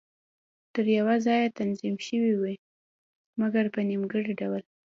تر یوه ځایه تنظیم شوې وې، مګر په نیمګړي ډول.